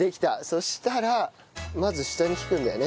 そしたらまず下に引くんだよね